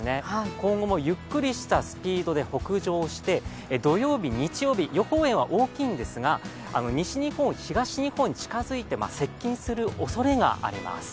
今後もゆっくりしたスピードで北上して、土曜日、日曜日、予報円は大きいんですが西日本、東日本に近づいて接近するおそれがあります。